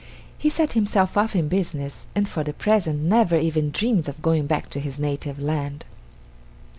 He set himself up in business, and for the present never even dreamed of going back to his native land.